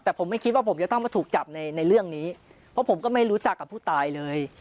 แต่ผมไม่คิดว่าผมจะต้องมาถูกจับในในเรื่องนี้เพราะผมก็ไม่รู้จักกับผู้ตายเลย